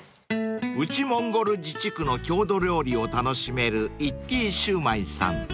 ［内モンゴル自治区の郷土料理を楽しめる一笹焼売さん］